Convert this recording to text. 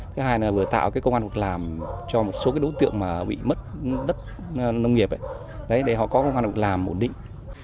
thứ hai là vừa tạo công an hợp làm cho một số đối tượng bị mất đất nông nghiệp để họ có công an hợp làm ổn định